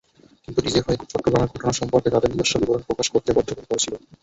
কিন্তু ডিজিএফআই চট্টগ্রামের ঘটনা সম্পর্কে তাদের নিজস্ব বিবরণ প্রকাশ করতে বদ্ধপরিকর ছিল।